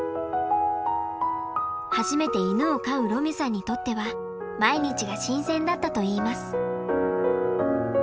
初めて犬を飼うロミュさんにとっては毎日が新鮮だったといいます。